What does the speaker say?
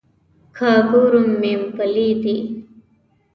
که ګورم مومپلي دي.